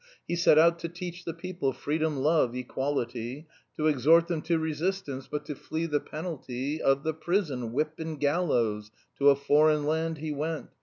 He set out to teach the people Freedom, love, equality, To exhort them to resistance; But to flee the penalty Of the prison, whip and gallows, To a foreign land he went.